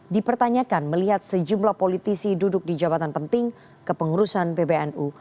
dipertanyakan melihat sejumlah politisi duduk di jabatan penting kepengurusan pbnu